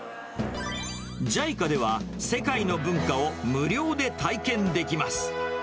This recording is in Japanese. ＪＩＣＡでは、世界の文化を無料で体験できます。